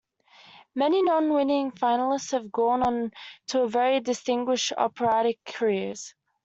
Many non-winning finalists have gone on to very distinguished operatic careers.